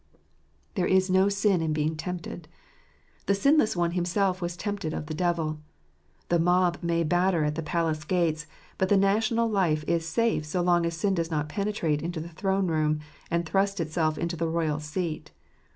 There is no_ sin Jn bein& tempted. The Sinless One Himself was tempted of the devil. The mob may batter at the palace gates ; but the national life is safe so long as sin does not penetrate into the throne room, and thrust itself into the royal seat.